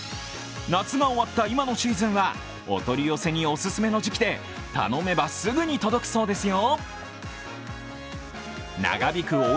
夏が終わった今のシーズンはお取り寄せにオススメの時期で頼めばすぐに届くそうですよ。